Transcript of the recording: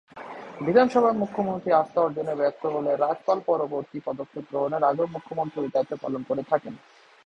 বিধানসভায় মুখ্যমন্ত্রী আস্থা অর্জনে ব্যর্থ হলে রাজ্যপাল পরবর্তী পদক্ষেপ গ্রহণের আগেও মুখ্যমন্ত্রী এই দায়িত্ব পালন করে থাকেন।